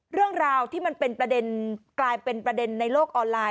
เรื่องราวที่มันเป็นประเด็นกลายเป็นประเด็นในโลกออนไลน